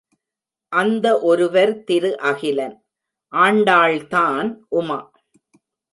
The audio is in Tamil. அந்த ஒருவர் திரு அகிலன்! ஆண்டாள்தான் உமா!